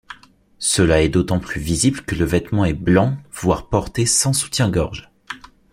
Cela est d'autant plus visible que le vêtement est blanc, voire porté sans soutien-gorge.